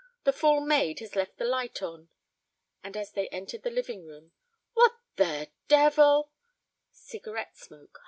"The fool maid has left the light on," and, as they entered the living room, "what the devil " Cigarette smoke hung in the air.